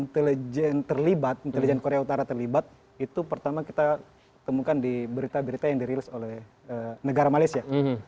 intelijen terlibat intelijen korea utara terlibat itu pertama kita temukan di berita berita yang dirilis oleh negara malaysia